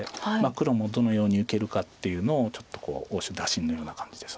黒もどのように受けるかっていうのをちょっと応手打診のような感じです。